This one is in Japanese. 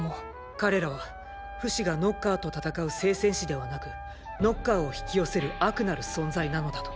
彼らはフシがノッカーと戦う聖戦士ではなくノッカーを引き寄せる悪なる存在なのだと。